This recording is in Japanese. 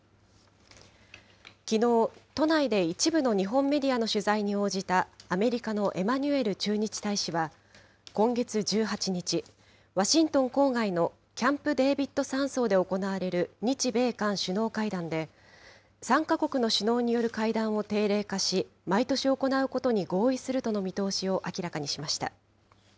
きのう、都内で一部の日本メディアの取材に応じたアメリカのエマニュエル駐日大使は、今月１８日、ワシントン郊外のキャンプ・デービッド山荘で行われる日米韓首脳会談で、３か国の首脳による会談を定例化し、毎年行うことに合意するとの見通しを明らかにしました。